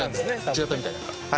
違ったみたいなんか。